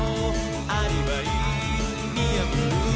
「アリバイ見やぶる」